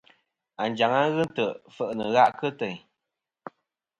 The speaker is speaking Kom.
Anjaŋ-a ghɨ nt̀' i fe'nɨ gha' kɨ teyn.